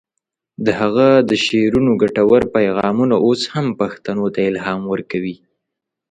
د هغه د شعرونو ګټور پیغامونه اوس هم پښتنو ته الهام ورکوي.